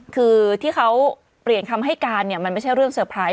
คือที่เขาเปลี่ยนคำให้การเนี่ยมันไม่ใช่เรื่องเตอร์ไพรส์